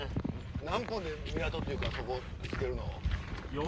何分で港っていうかそこ着けるの？